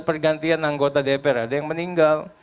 pergantian anggota dpr ada yang meninggal